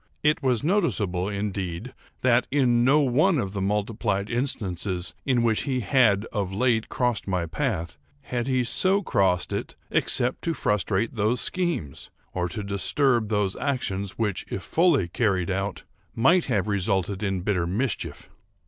It was noticeable, indeed, that, in no one of the multiplied instances in which he had of late crossed my path, had he so crossed it except to frustrate those schemes, or to disturb those actions, which, if fully carried out, might have resulted in bitter mischief.